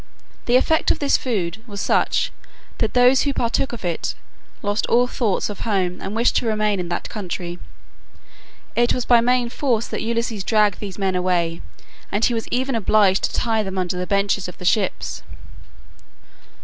The effect of this food was such that those who partook of it lost all thoughts of home and wished to remain in that country. It was by main force that Ulysses dragged these men away, and he was even obliged to tie them under the benches of the ships.